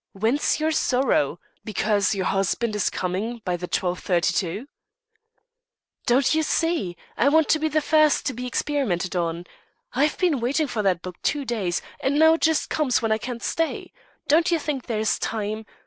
"Whence your sorrow? Because your husband is coming by the 12.32?" "Don't you see, I want to be the first to be experimented on. I've been waiting for that book two days, and now it just comes when I can't stay. Don't' you think there's time?